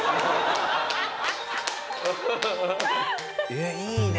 えっいいね。